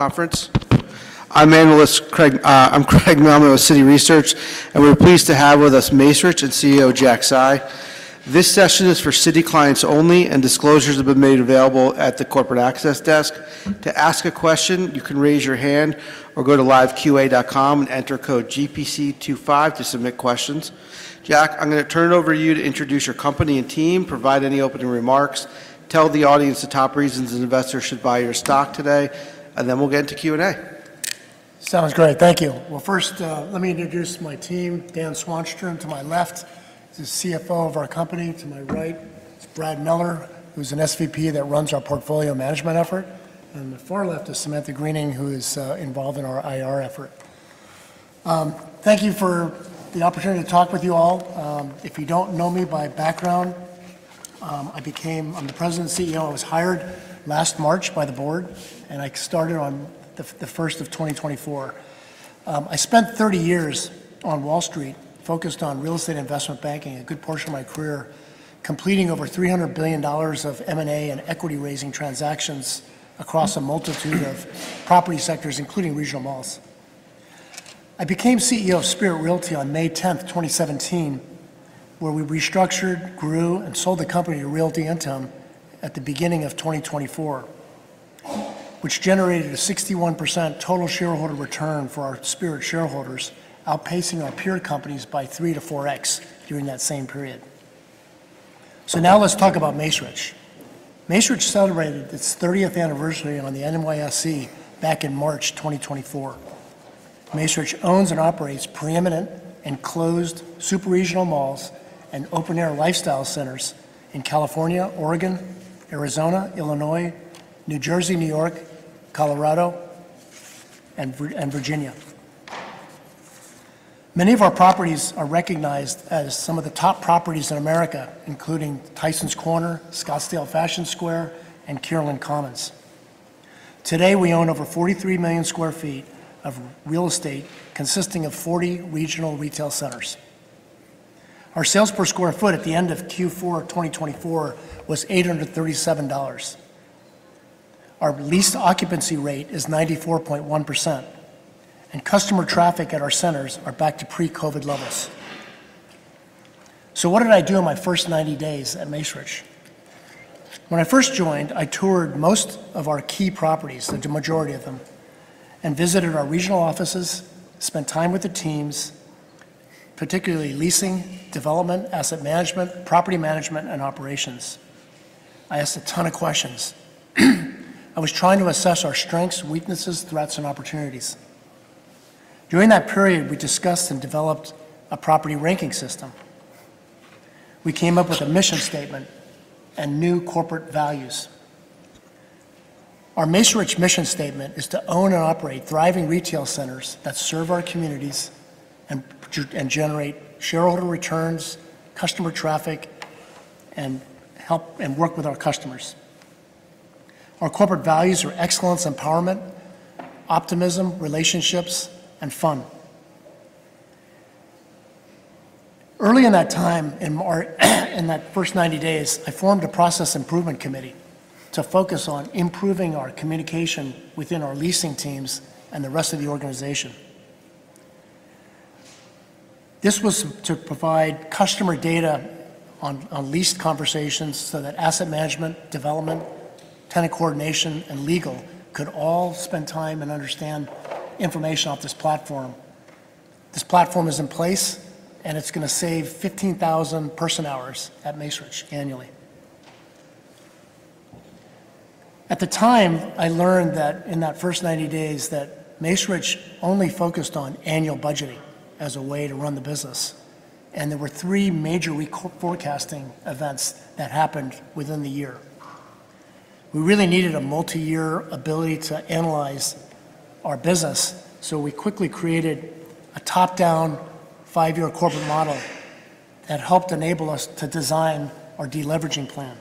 Conference. I'm Craig Mailman, Citi Research, and we're pleased to have with us Macerich and CEO Jack Hsieh. This session is for Citi clients only, and disclosures have been made available at the Corporate Access Desk. To ask a question, you can raise your hand or go to liveqa.com and enter code GPC25 to submit questions. Jack, I'm going to turn it over to you to introduce your company and team, provide any opening remarks, tell the audience the top reasons investors should buy your stock today, and then we'll get into Q&A. Sounds great. Thank you. First, let me introduce my team. Dan Swanstrom to my left is the CFO of our company. To my right is Brad Miller, who's an SVP that runs our portfolio management effort. And to the far left is Samantha Greening, who is involved in our IR effort. Thank you for the opportunity to talk with you all. If you don't know me by background, I became the President and CEO. I was hired last March by the board, and I started on the 1st of 2024. I spent 30 years on Wall Street focused on real estate investment banking, a good portion of my career completing over $300 billion of M&A and equity-raising transactions across a multitude of property sectors, including regional malls. I became CEO of Spirit Realty on May 10, 2017, where we restructured, grew, and sold the company to Realty Income at the beginning of 2024, which generated a 61% total shareholder return for our Spirit shareholders, outpacing our peer companies by three to four times during that same period. So now let's talk about Macerich. Macerich celebrated its 30th anniversary on the NYSE back in March 2024. Macerich owns and operates preeminent enclosed super-regional malls and open-air lifestyle centers in California, Oregon, Arizona, Illinois, New Jersey, New York, Colorado, and Virginia. Many of our properties are recognized as some of the top properties in America, including Tysons Corner, Scottsdale Fashion Square, and Kierland Commons. Today, we own over 43 million sq ft of real estate consisting of 40 regional retail centers. Our sales per sq ft at the end of Q4 2024 was $837. Our leased occupancy rate is 94.1%, and customer traffic at our centers is back to pre-COVID levels. So what did I do in my first 90 days at Macerich? When I first joined, I toured most of our key properties, the majority of them, and visited our regional offices, spent time with the teams, particularly leasing, development, asset management, property management, and operations. I asked a ton of questions. I was trying to assess our strengths, weaknesses, threats, and opportunities. During that period, we discussed and developed a property ranking system. We came up with a mission statement and new corporate values. Our Macerich mission statement is to own and operate thriving retail centers that serve our communities and generate shareholder returns, customer traffic, and work with our customers. Our corporate values are excellence, empowerment, optimism, relationships, and fun. Early in that time, in that first 90 days, I formed a process improvement committee to focus on improving our communication within our leasing teams and the rest of the organization. This was to provide customer data on leased conversations so that asset management, development, tenant coordination, and legal could all spend time and understand information off this platform. This platform is in place, and it's going to save 15,000 person-hours at Macerich annually. At the time, I learned that in that first 90 days, Macerich only focused on annual budgeting as a way to run the business, and there were three major forecasting events that happened within the year. We really needed a multi-year ability to analyze our business, so we quickly created a top-down five-year corporate model that helped enable us to design our deleveraging plan.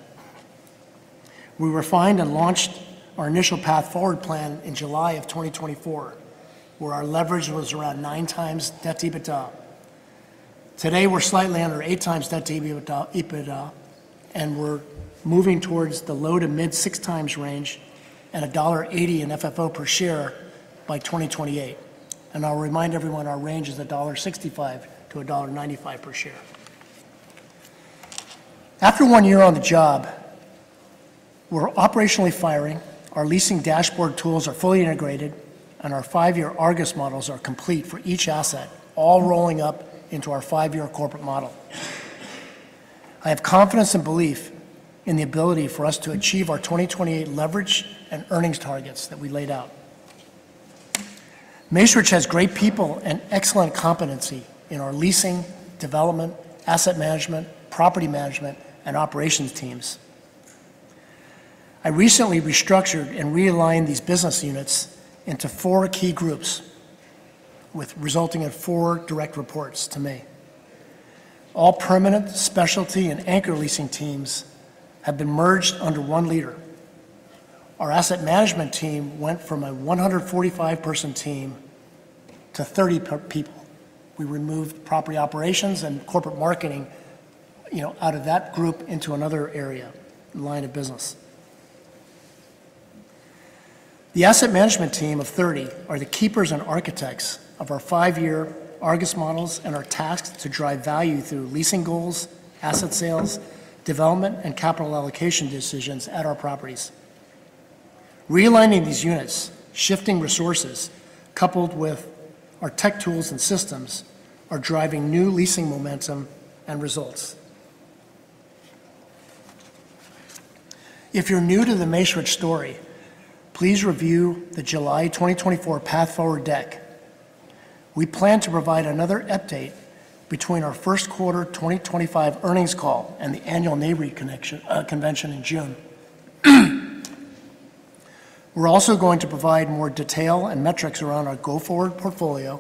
We refined and launched our initial path forward plan in July of 2024, where our leverage was around nine times debt to EBITDA. Today, we're slightly under eight times debt to EBITDA, and we're moving towards the low to mid six times range at $1.80 an FFO per share by 2028. And I'll remind everyone our range is $1.65-$1.95 per share. After one year on the job, we're operationally firing. Our leasing dashboard tools are fully integrated, and our five-year Argus models are complete for each asset, all rolling up into our five-year corporate model. I have confidence and belief in the ability for us to achieve our 2028 leverage and earnings targets that we laid out. Macerich has great people and excellent competency in our leasing, development, asset management, property management, and operations teams. I recently restructured and realigned these business units into four key groups, resulting in four direct reports to me. All permanent specialty and anchor leasing teams have been merged under one leader. Our asset management team went from a 145-person team to 30 people. We removed property operations and corporate marketing out of that group into another area line of business. The asset management team of 30 are the keepers and architects of our five-year Argus models and our tasks to drive value through leasing goals, asset sales, development, and capital allocation decisions at our properties. Re-aligning these units, shifting resources, coupled with our tech tools and systems, are driving new leasing momentum and results. If you're new to the Macerich story, please review the July 2024 Path Forward deck. We plan to provide another update between our first quarter 2025 earnings call and the annual Nareit convention in June. We're also going to provide more detail and metrics around our go-forward portfolio,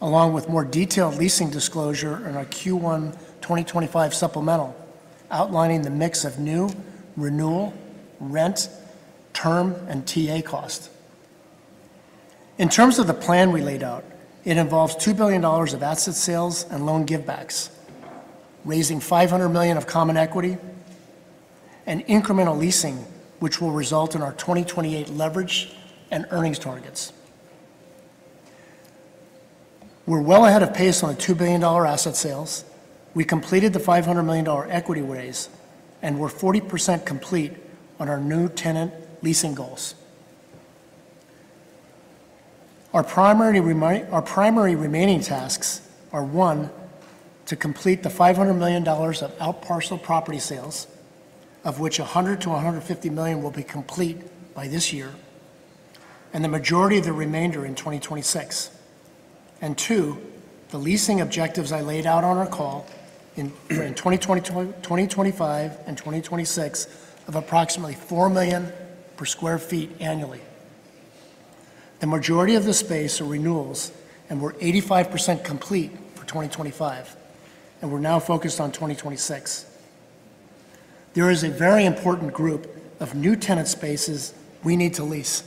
along with more detailed leasing disclosure in our Q1 2025 supplemental, outlining the mix of new, renewal, rent, term, and TA cost. In terms of the plan we laid out, it involves $2 billion of asset sales and loan give-backs, raising $500 million of common equity, and incremental leasing, which will result in our 2028 leverage and earnings targets. We're well ahead of pace on the $2 billion asset sales. We completed the $500 million equity raise and were 40% complete on our new tenant leasing goals. Our primary remaining tasks are, one, to complete the $500 million of outparcel property sales, of which $100 million-$150 million will be complete by this year, and the majority of the remainder in 2026. And two, the leasing objectives I laid out on our call in 2025 and 2026 of approximately $4 million per sqr ft annually. The majority of the space are renewals, and we're 85% complete for 2025, and we're now focused on 2026. There is a very important group of new tenant spaces we need to lease.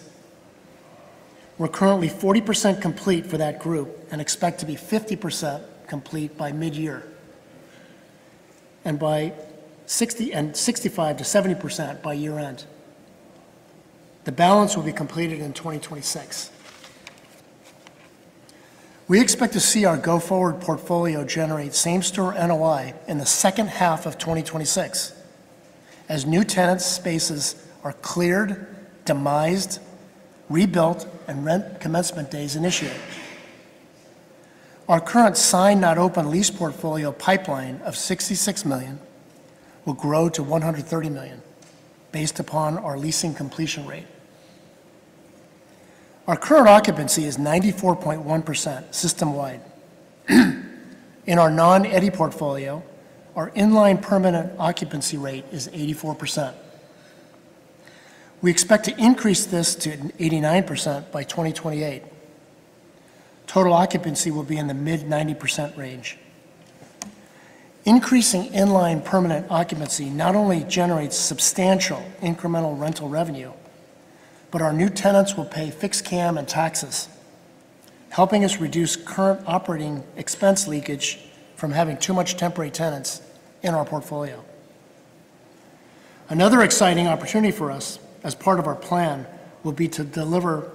We're currently 40% complete for that group and expect to be 50% complete by mid-year and 65%-70% by year-end. The balance will be completed in 2026. We expect to see our go-forward portfolio generate same-store NOI in the second half of 2026 as new tenant spaces are cleared, demised, rebuilt, and rent commencement days initiated. Our current Signed Not Open lease portfolio pipeline of $66 million will grow to $130 million based upon our leasing completion rate. Our current occupancy is 94.1% system-wide. In our non-Eddie portfolio, our inline permanent occupancy rate is 84%. We expect to increase this to 89% by 2028. Total occupancy will be in the mid-90% range. Increasing inline permanent occupancy not only generates substantial incremental rental revenue, but our new tenants will pay fixed CAM and taxes, helping us reduce current operating expense leakage from having too much temporary tenants in our portfolio. Another exciting opportunity for us as part of our plan will be to deliver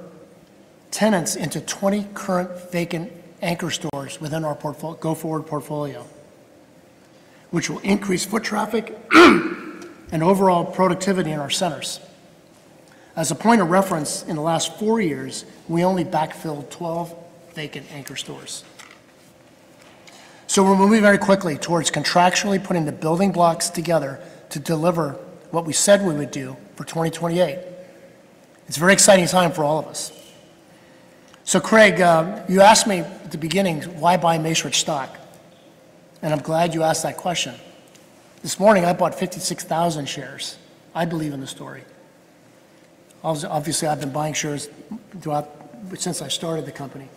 tenants into 20 current vacant anchor stores within our go-forward portfolio, which will increase foot traffic and overall productivity in our centers. As a point of reference, in the last four years, we only backfilled 12 vacant anchor stores. So we're moving very quickly towards contractually putting the building blocks together to deliver what we said we would do for 2028. It's a very exciting time for all of us. Craig, you asked me at the beginning, "Why buy Macerich stock?" And I'm glad you asked that question. This morning, I bought 56,000 shares. I believe in the story. Obviously, I've been buying shares since I started the company.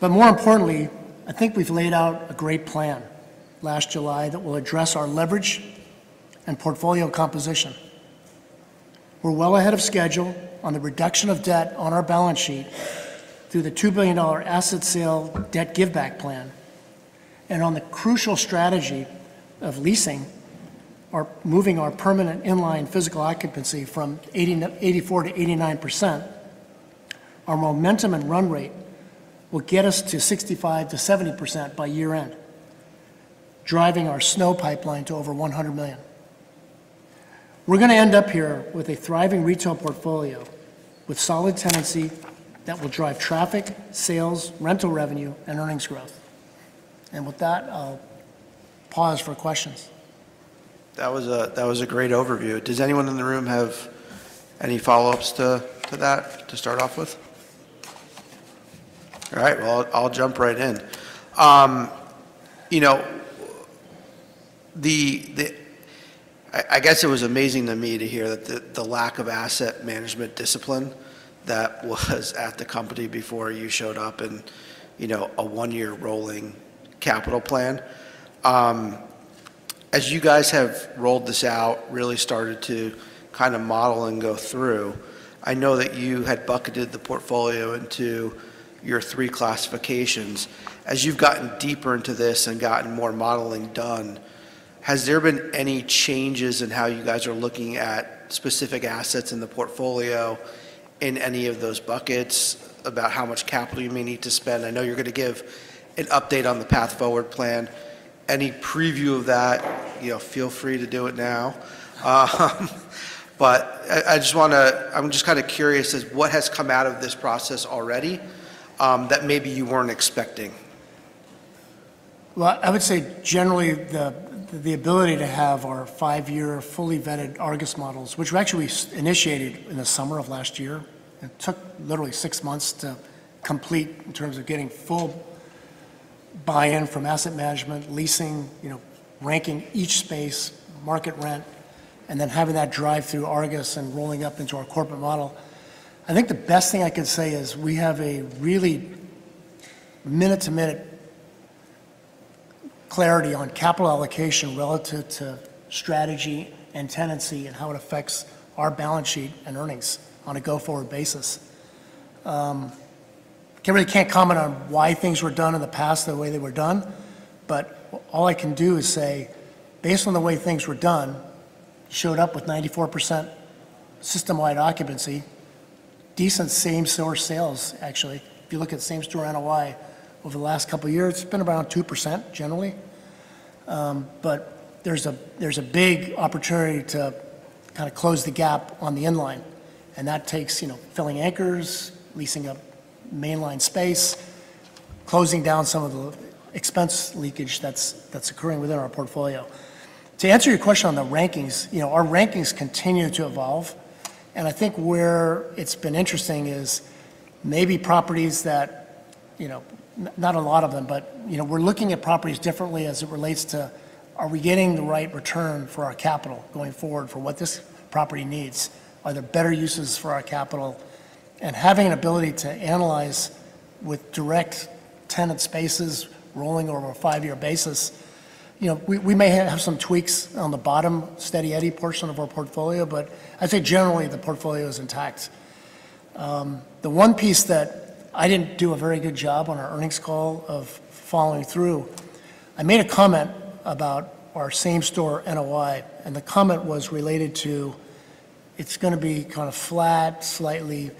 But more importantly, I think we've laid out a great plan last July that will address our leverage and portfolio composition. We're well ahead of schedule on the reduction of debt on our balance sheet through the $2 billion asset sale debt give-back plan, and on the crucial strategy of leasing or moving our permanent inline physical occupancy from 84%-89%. Our momentum and run rate will get us to 65%-70% by year-end, driving our SNO pipeline to over $100 million. We're going to end up here with a thriving retail portfolio with solid tenancy that will drive traffic, sales, rental revenue, and earnings growth. With that, I'll pause for questions. That was a great overview. Does anyone in the room have any follow-ups to that to start off with? All right. Well, I'll jump right in. I guess it was amazing to me to hear the lack of asset management discipline that was at the company before you showed up in a one-year rolling capital plan. As you guys have rolled this out, really started to kind of model and go through, I know that you had bucketed the portfolio into your three classifications. As you've gotten deeper into this and gotten more modeling done, has there been any changes in how you guys are looking at specific assets in the portfolio in any of those buckets about how much capital you may need to spend? I know you're going to give an update on the Path Forward plan. Any preview of that, feel free to do it now. But I just want to, I'm just kind of curious as to what has come out of this process already that maybe you weren't expecting? I would say generally the ability to have our five-year fully vetted Argus models, which we actually initiated in the summer of last year. It took literally six months to complete in terms of getting full buy-in from asset management, leasing, ranking each space, market rent, and then having that drive through Argus and rolling up into our corporate model. I think the best thing I can say is we have a really minute-to-minute clarity on capital allocation relative to strategy and tenancy and how it affects our balance sheet and earnings on a go-forward basis. I really can't comment on why things were done in the past the way they were done, but all I can do is say, based on the way things were done, showed up with 94% system-wide occupancy, decent same-store sales, actually. If you look at same-store NOI over the last couple of years, it's been around 2% generally, but there's a big opportunity to kind of close the gap on the inline, and that takes filling anchors, leasing up inline space, closing down some of the expense leakage that's occurring within our portfolio. To answer your question on the rankings, our rankings continue to evolve, and I think where it's been interesting is maybe properties that, not a lot of them, but we're looking at properties differently as it relates to, are we getting the right return for our capital going forward for what this property needs? Are there better uses for our capital, and having an ability to analyze with inline tenant spaces rolling over a five-year basis, we may have some tweaks on the bottom steady Eddie portion of our portfolio, but I'd say generally the portfolio is intact. The one piece that I didn't do a very good job on our earnings call of following through, I made a comment about our Same-Store NOI, and the comment was related to it's going to be kind of flat, slightly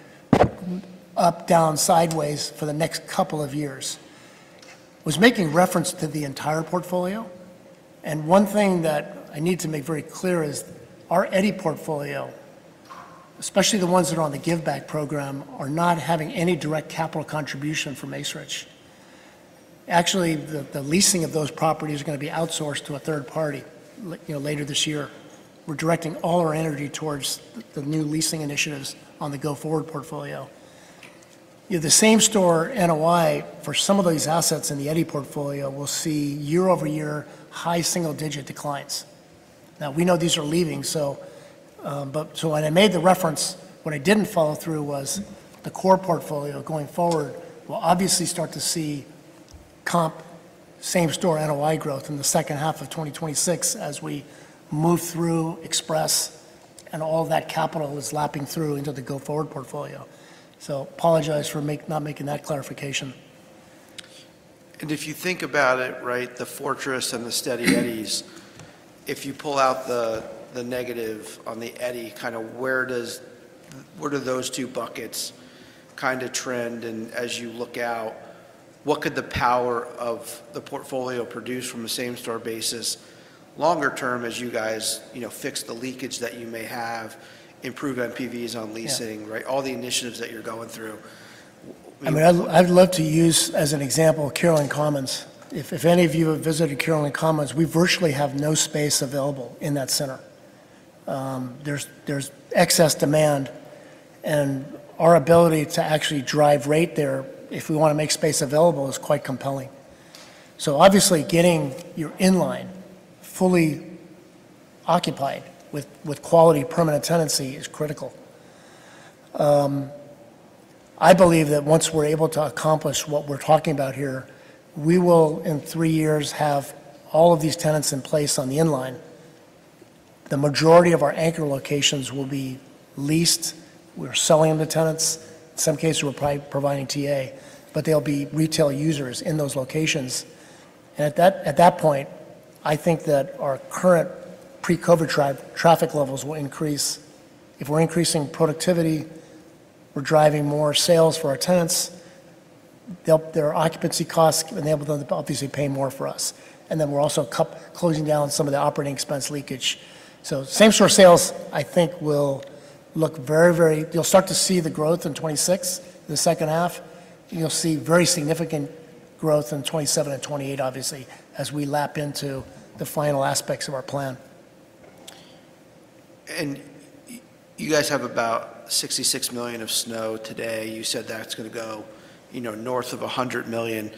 up, down, sideways for the next couple of years. I was making reference to the entire portfolio and one thing that I need to make very clear is our Eddie portfolio, especially the ones that are on the give-back program, are not having any direct capital contribution from Macerich. Actually, the leasing of those properties is going to be outsourced to a third party later this year. We're directing all our energy towards the new leasing initiatives on the go-forward portfolio. The Same-Store NOI for some of those assets in the Eddie portfolio will see year-over-year high single-digit declines. Now, we know these are leaving, but when I made the reference, what I didn't follow through was the core portfolio going forward will obviously start to see comp same-store NOI growth in the second half of 2026 as we move through Express and all that capital is lapping through into the go-forward portfolio. So, apologize for not making that clarification. If you think about it, right, the Fortress and the steady Eddies, if you pull out the negative on the Eddie, kind of where do those two buckets kind of trend? As you look out, what could the power of the portfolio produce from a same-store basis longer term as you guys fix the leakage that you may have, improve NPVs on leasing, right, all the initiatives that you're going through? I mean, I'd love to use as an example Kierland Commons. If any of you have visited Kierland Commons, we virtually have no space available in that center. There's excess demand, and our ability to actually drive rate there if we want to make space available is quite compelling, so obviously, getting your inline fully occupied with quality permanent tenancy is critical. I believe that once we're able to accomplish what we're talking about here, we will, in three years, have all of these tenants in place on the inline. The majority of our anchor locations will be leased. We're selling them to tenants. In some cases, we're probably providing TA, but they'll be retail users in those locations, and at that point, I think that our current pre-COVID traffic levels will increase. If we're increasing productivity, we're driving more sales for our tenants. Their occupancy costs enable them to obviously pay more for us. And then we're also closing down some of the operating expense leakage, so same-store sales, I think, will look very, very, you'll start to see the growth in 2026, the second half. You'll see very significant growth in 2027 and 2028, obviously, as we lap into the final aspects of our plan. You guys have about $66 million of SNO today. You said that's going to go north of $100 million.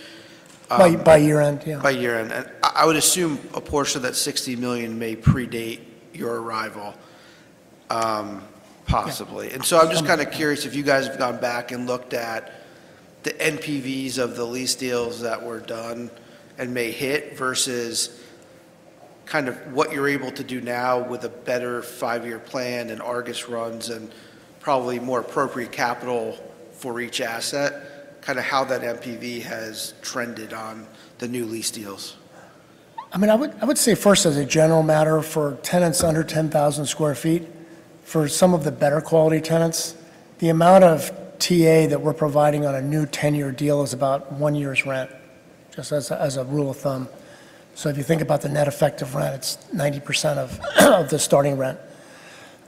By year-end, yeah. By year-end. And I would assume a portion of that $60 million may predate your arrival, possibly. And so I'm just kind of curious if you guys have gone back and looked at the NPVs of the lease deals that were done and may hit versus kind of what you're able to do now with a better five-year plan and Argus runs and probably more appropriate capital for each asset, kind of how that NPV has trended on the new lease deals. I mean, I would say first, as a general matter, for tenants under 10,000 sq ft, for some of the better quality tenants, the amount of TA that we're providing on a new 10-year deal is about one year's rent, just as a rule of thumb. So if you think about the net effective rent, it's 90% of the starting rent.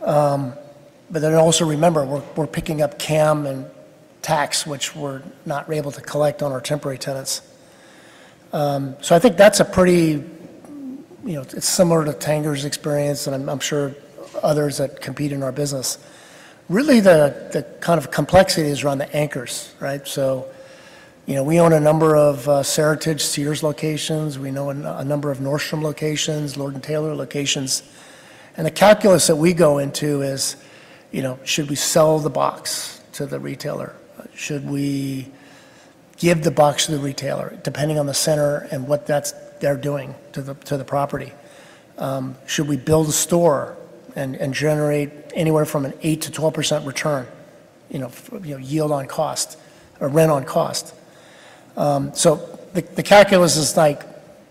But then also remember, we're picking up CAM and tax, which we're not able to collect on our temporary tenants. So I think that's a pretty, it's similar to Tanger's experience, and I'm sure others that compete in our business. Really, the kind of complexity is around the anchors, right? So we own a number of Seritage Sears locations. We know a number of Nordstrom locations, Lord & Taylor locations. And the calculus that we go into is, should we sell the box to the retailer? Should we give the box to the retailer, depending on the center and what they're doing to the property? Should we build a store and generate anywhere from an 8%-12% return yield on cost or rent on cost? So the calculus is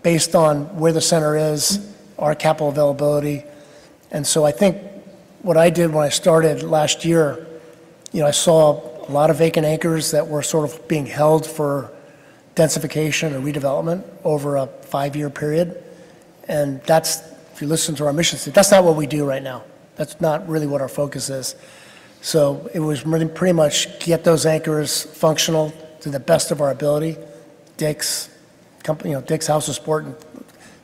based on where the center is, our capital availability. And so I think what I did when I started last year, I saw a lot of vacant anchors that were sort of being held for densification or redevelopment over a five-year period. And if you listen to our mission statement, that's not what we do right now. That's not really what our focus is. So it was pretty much get those anchors functional to the best of our ability, Dick's House of Sport and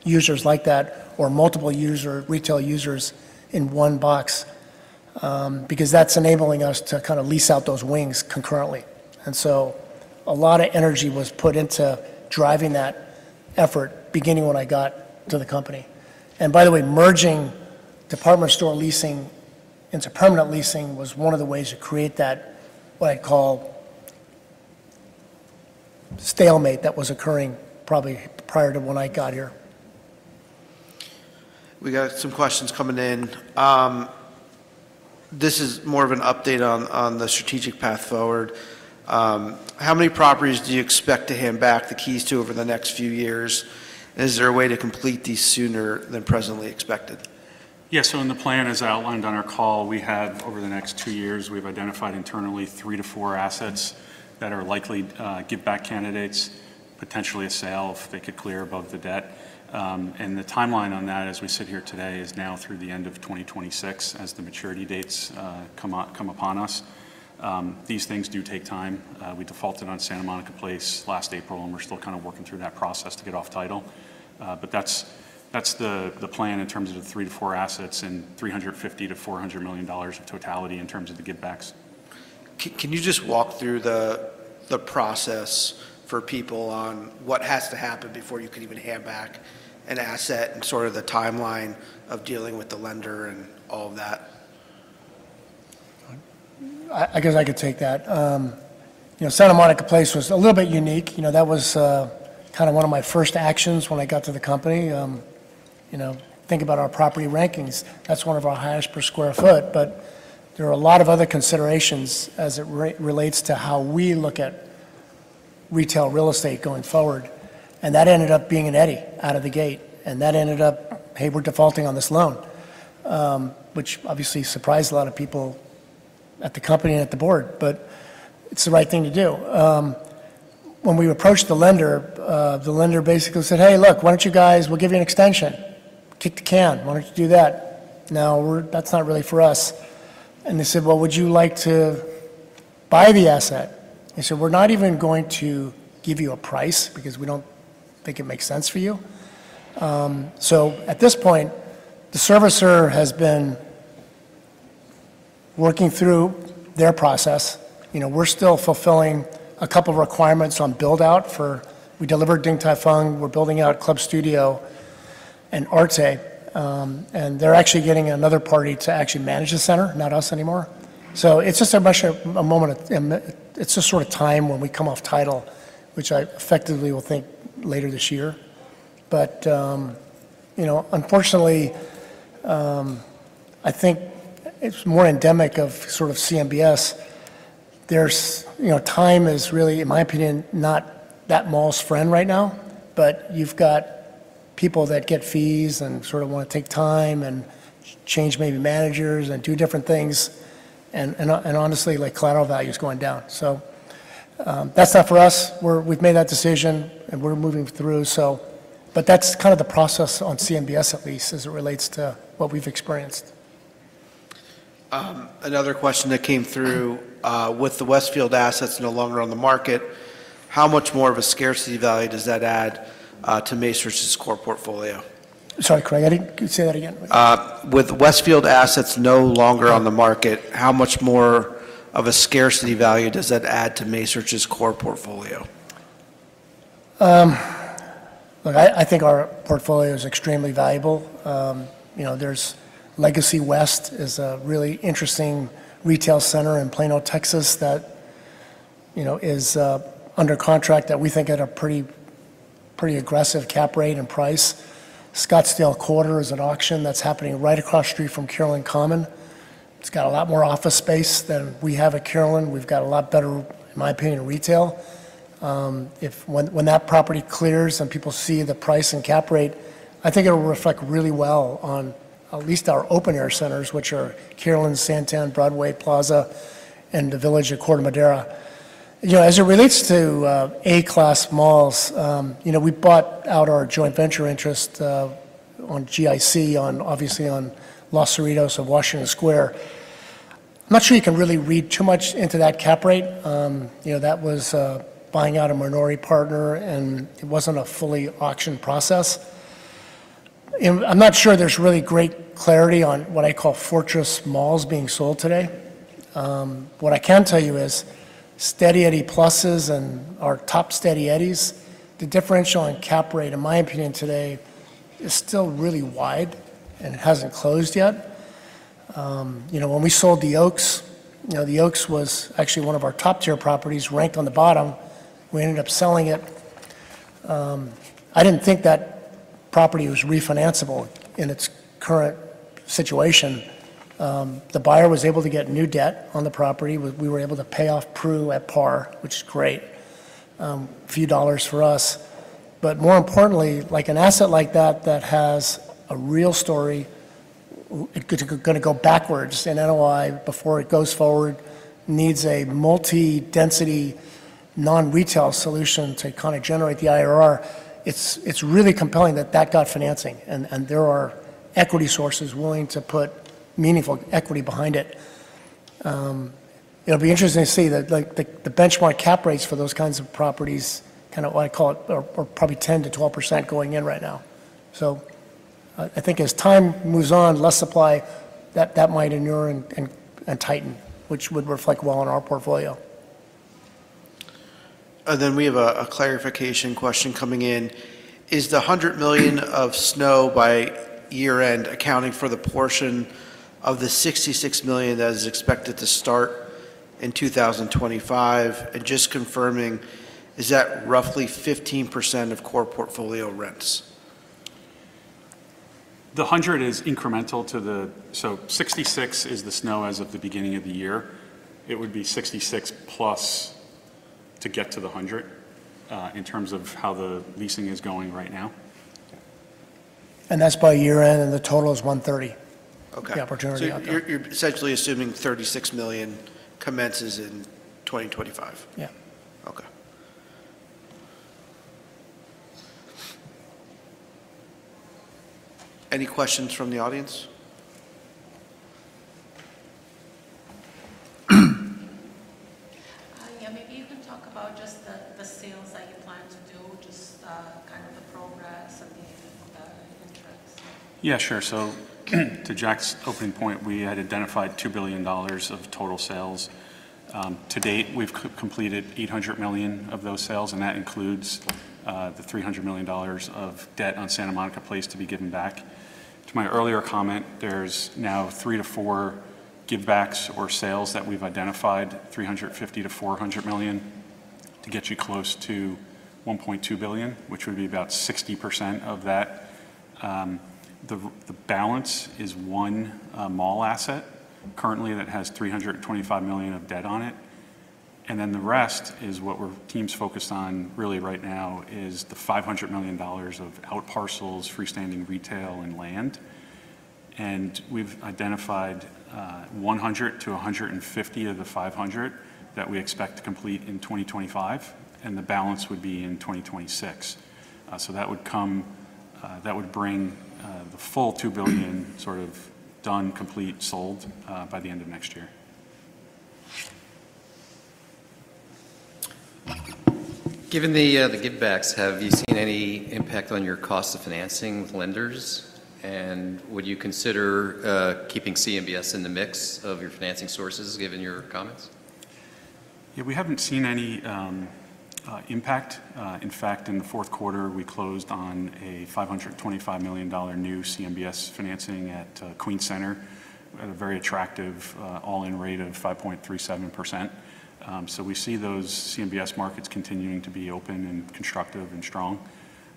users like that, or multiple retail users in one box, because that's enabling us to kind of lease out those wings concurrently. And so a lot of energy was put into driving that effort beginning when I got to the company. And by the way, merging department store leasing into permanent leasing was one of the ways to create that what I call stalemate that was occurring probably prior to when I got here. We got some questions coming in. This is more of an update on the strategic path forward. How many properties do you expect to hand back the keys to over the next few years? And is there a way to complete these sooner than presently expected? Yeah. So in the plan, as outlined on our call, we have over the next two years, we've identified internally three to four assets that are likely give-back candidates, potentially a sale if they could clear above the debt. And the timeline on that, as we sit here today, is now through the end of 2026 as the maturity dates come upon us. These things do take time. We defaulted on Santa Monica Place last April, and we're still kind of working through that process to get off title. But that's the plan in terms of the three to four assets and $350 million-$400 million of totality in terms of the give-backs. Can you just walk through the process for people on what has to happen before you can even hand back an asset and sort of the timeline of dealing with the lender and all of that? I guess I could take that. Santa Monica Place was a little bit unique. That was kind of one of my first actions when I got to the company. Think about our property rankings. That's one of our highest per square foot, but there are a lot of other considerations as it relates to how we look at retail real estate going forward. And that ended up being an Eddie out of the gate. And that ended up, "Hey, we're defaulting on this loan," which obviously surprised a lot of people at the company and at the board, but it's the right thing to do. When we approached the lender, the lender basically said, "Hey, look, why don't you guys, we'll give you an extension. Kick the can. Why don't you do that?" Now, that's not really for us. They said, "Well, would you like to buy the asset?" They said, "We're not even going to give you a price because we don't think it makes sense for you." So at this point, the servicer has been working through their process. We're still fulfilling a couple of requirements on build-out for. We delivered Din Tai Fung. We're building out Club Studio and Arte. And they're actually getting another party to actually manage the center, not us anymore. So it's just sort of time when we come off title, which I effectively will think later this year. But unfortunately, I think it's more endemic of sort of CMBS. Time is really, in my opinion, not that mall's friend right now, but you've got people that get fees and sort of want to take time and change maybe managers and do different things. Honestly, like collateral value is going down. That's not for us. We've made that decision, and we're moving through. That's kind of the process on CMBS, at least, as it relates to what we've experienced. Another question that came through. With the Westfield assets no longer on the market, how much more of a scarcity value does that add to Macerich's core portfolio? Sorry, Craig. I didn't say that again. With Westfield assets no longer on the market, how much more of a scarcity value does that add to Macerich's core portfolio? Look, I think our portfolio is extremely valuable. There's Legacy West, which is a really interesting retail center in Plano, Texas, that is under contract that we think at a pretty aggressive cap rate and price. Scottsdale Quarter is an auction that's happening right across the street from Kierland Commons. It's got a lot more office space than we have at Kierland. We've got a lot better, in my opinion, retail. When that property clears and people see the price and cap rate, I think it will reflect really well on at least our open-air centers, which are Kierland, SanTan, Broadway Plaza, and The Village at Corte Madera. As it relates to A-class malls, we bought out our joint venture interest with GIC, obviously on Los Cerritos Center and Washington Square. I'm not sure you can really read too much into that cap rate. That was buying out a minority partner, and it wasn't a fully auctioned process. I'm not sure there's really great clarity on what I call Fortress malls being sold today. What I can tell you is Steady Eddie pluses and our top Steady Eddies, the differential in cap rate, in my opinion today, is still really wide and hasn't closed yet. When we sold The Oaks, The Oaks was actually one of our top-tier properties ranked on the bottom. We ended up selling it. I didn't think that property was refinanceable in its current situation. The buyer was able to get new debt on the property. We were able to pay off Pru at par, which is great, a few dollars for us. But more importantly, like an asset like that that has a real story, it's going to go backwards in NOI before it goes forward, needs a multi-density non-retail solution to kind of generate the IRR. It's really compelling that that got financing, and there are equity sources willing to put meaningful equity behind it. It'll be interesting to see that the benchmark cap rates for those kinds of properties, kind of what I call it, are probably 10%-12% going in right now. So I think as time moves on, less supply, that might inure and tighten, which would reflect well on our portfolio. And then we have a clarification question coming in. Is the $100 million of SNO by year-end accounting for the portion of the $66 million that is expected to start in 2025? And just confirming, is that roughly 15% of core portfolio rents? The $100 million is incremental to the, so $66 million is the SNO as of the beginning of the year. It would be $66 million+ to get to the $100 million+ in terms of how the leasing is going right now. And that's by year-end, and the total is $130 million, the opportunity out there. So you're essentially assuming 36 million commences in 2025? Yeah. Okay. Any questions from the audience? Yeah. Maybe you can talk about just the sales that you plan to do, just kind of the progress and the interest. Yeah, sure. So to Jack's opening point, we had identified $2 billion of total sales. To date, we've completed $800 million of those sales, and that includes the $300 million of debt on Santa Monica Place to be given back. To my earlier comment, there's now three to four give-backs or sales that we've identified, $350 million-$400 million, to get you close to $1.2 billion, which would be about 60% of that. The balance is one mall asset currently that has $325 million of debt on it. And then the rest is what the team's focused on really right now is the $500 million of outparcels, freestanding retail, and land. And we've identified $100 million-$150 million of the $500 million that we expect to complete in 2025, and the balance would be in 2026. So that would bring the full $2 billion sort of done, complete, sold by the end of next year. Given the give-backs, have you seen any impact on your cost of financing with lenders? And would you consider keeping CMBS in the mix of your financing sources, given your comments? Yeah, we haven't seen any impact. In fact, in the fourth quarter, we closed on a $525 million new CMBS financing at Queens Center at a very attractive all-in rate of 5.37%. So we see those CMBS markets continuing to be open and constructive and strong.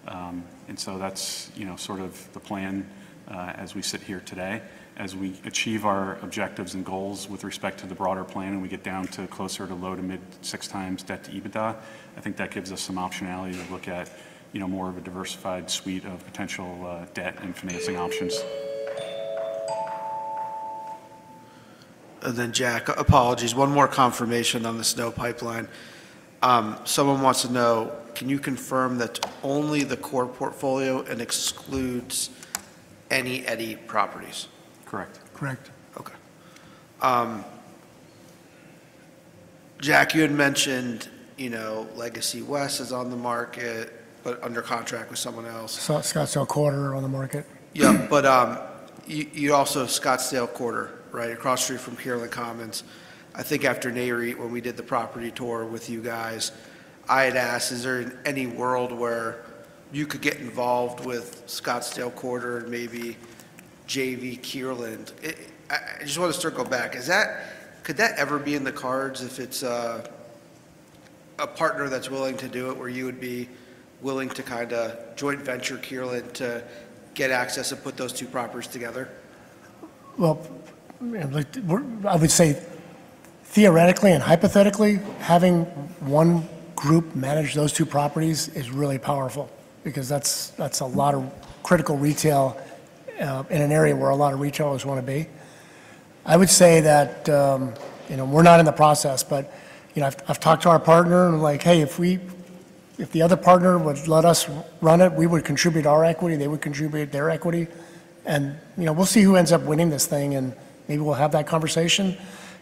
And so that's sort of the plan as we sit here today. As we achieve our objectives and goals with respect to the broader plan and we get down to closer to low to mid-six times debt to EBITDA, I think that gives us some optionality to look at more of a diversified suite of potential debt and financing options. And then Jack, apologies. One more confirmation on the SNO pipeline. Someone wants to know, can you confirm that only the core portfolio and excludes any Eddie properties? Correct. Correct. Okay. Jack, you had mentioned Legacy West is on the market, but under contract with someone else. Scottsdale Quarter on the market. Yeah, but you also Scottsdale Quarter, right, across the street from Kierland Commons. I think after Nareit, when we did the property tour with you guys, I had asked, is there any world where you could get involved with Scottsdale Quarter and maybe JV Kierland? I just want to circle back. Could that ever be in the cards if it's a partner that's willing to do it where you would be willing to kind of joint venture Kierland to get access and put those two properties together? I would say theoretically and hypothetically, having one group manage those two properties is really powerful because that's a lot of critical retail in an area where a lot of retailers want to be. I would say that we're not in the process, but I've talked to our partner and we're like, "Hey, if the other partner would let us run it, we would contribute our equity. They would contribute their equity. And we'll see who ends up winning this thing, and maybe we'll have that conversation."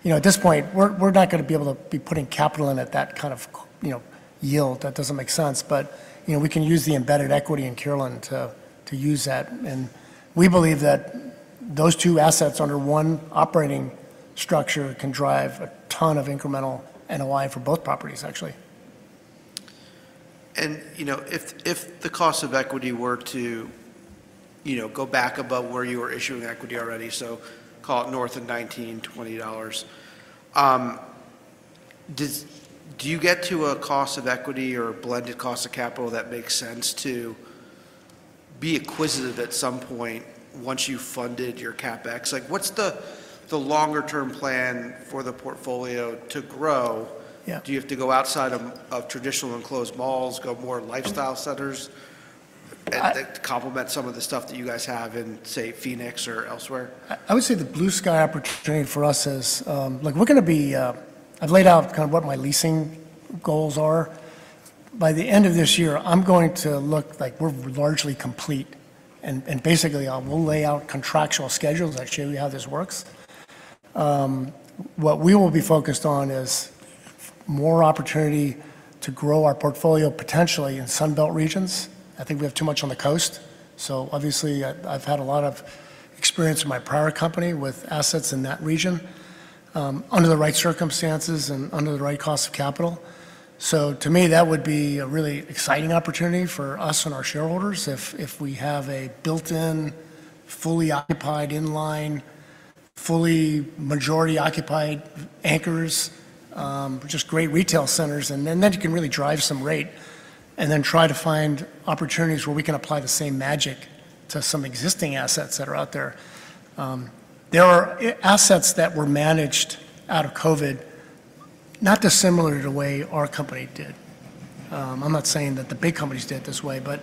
At this point, we're not going to be able to be putting capital in at that kind of yield. That doesn't make sense. But we can use the embedded equity in Kierland to use that. And we believe that those two assets under one operating structure can drive a ton of incremental NOI for both properties, actually. If the cost of equity were to go back above where you were issuing equity already, so call it north of $19-$20, do you get to a cost of equity or a blended cost of capital that makes sense to be acquisitive at some point once you funded your CapEx? What's the longer-term plan for the portfolio to grow? Do you have to go outside of traditional enclosed malls, go more lifestyle centers to complement some of the stuff that you guys have in, say, Phoenix or elsewhere? I would say the blue sky opportunity for us is we're going to be, I've laid out kind of what my leasing goals are. By the end of this year, I'm going to look like we're largely complete, and basically, I will lay out contractual schedules that show you how this works. What we will be focused on is more opportunity to grow our portfolio potentially in Sunbelt regions. I think we have too much on the coast, so obviously, I've had a lot of experience in my prior company with assets in that region under the right circumstances and under the right cost of capital, so to me, that would be a really exciting opportunity for us and our shareholders if we have a built-in, fully occupied, in-line, fully majority occupied anchors, just great retail centers. And then you can really drive some rate and then try to find opportunities where we can apply the same magic to some existing assets that are out there. There are assets that were managed out of COVID, not dissimilar to the way our company did. I'm not saying that the big companies did it this way, but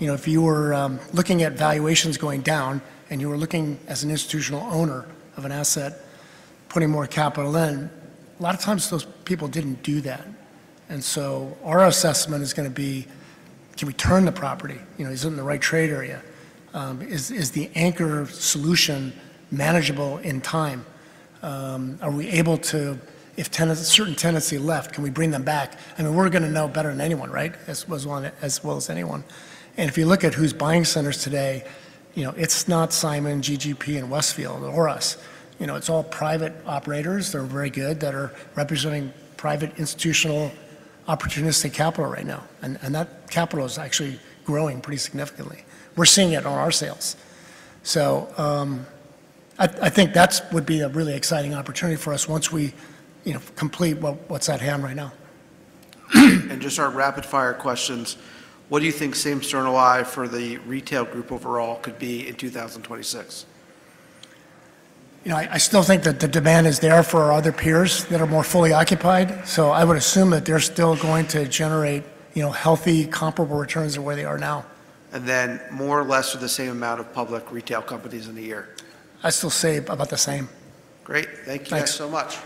if you were looking at valuations going down and you were looking as an institutional owner of an asset, putting more capital in, a lot of times those people didn't do that. And so our assessment is going to be, can we turn the property? Is it in the right trade area? Is the anchor solution manageable in time? Are we able to, if certain tenancy left, can we bring them back? I mean, we're going to know better than anyone, right? As well as anyone. And if you look at who's buying centers today, it's not Simon, GGP, and Westfield or us. It's all private operators that are very good that are representing private institutional opportunistic capital right now. And that capital is actually growing pretty significantly. We're seeing it on our sales. So I think that would be a really exciting opportunity for us once we complete what's at hand right now. And just our rapid-fire questions. What do you think same-store sales for the retail group overall could be in 2026? I still think that the demand is there for our other peers that are more fully occupied. So I would assume that they're still going to generate healthy, comparable returns to where they are now. And then more or less of the same amount of public retail companies in a year? I still say about the same. Great. Thank you so much.